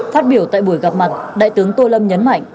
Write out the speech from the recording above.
phát biểu tại buổi gặp mặt đại tướng tô lâm nhấn mạnh